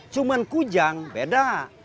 cuma kujang beda